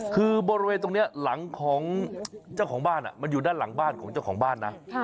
คือบริเวณตรงนี้หลังของเจ้าของบ้านมันอยู่ด้านหลังบ้านของเจ้าของบ้านนะ